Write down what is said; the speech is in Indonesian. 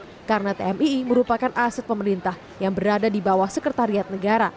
pengelola menyebut taman mini indonesia indah menggunakan aset pemerintah yang berada di bawah sekretariat negara